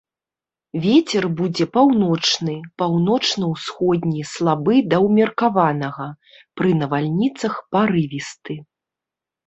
Вецер будзе паўночны, паўночна-ўсходні слабы да ўмеркаванага, пры навальніцах парывісты.